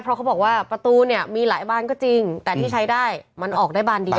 เพราะเขาบอกว่าประตูเนี่ยมีหลายบานก็จริงแต่ที่ใช้ได้มันออกได้บานเดียว